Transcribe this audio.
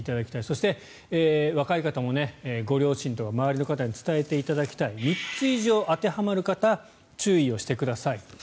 そして若い方もご両親とか周りの方に伝えていただきたい３つ以上当てはまる方は注意してください。